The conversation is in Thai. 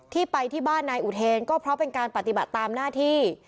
ที่ไปที่บ้านนายอุเทนก็เพราะเป็นการปฏิบัติตามหน้าที่